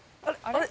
あれ？